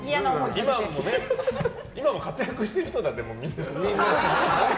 今も活躍してる人だね、みんな。